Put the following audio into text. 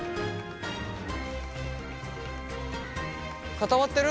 固まってる？